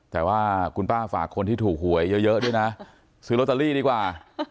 แต่ว่าคุณป้าฝากคนที่ถูกหวยเยอะด้วยนะซื้อลอตเตอรี่ดีกว่า